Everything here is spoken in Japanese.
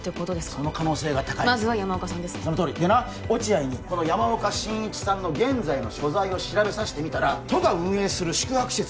その可能性が高いまずは山岡さんですねでな落合にこの山岡真一さんの現在の所在を調べさせてみたら都が運営する宿泊施設